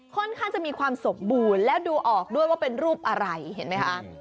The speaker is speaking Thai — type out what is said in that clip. ค่อนข้างจะมีความสมบูรณ์แล้วดูออกด้วยว่าเป็นรูปอะไรเห็นไหมคะ